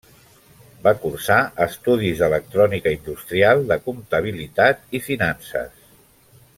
Va cursar estudis d'electrònica Industrial, de comptabilitat i finances.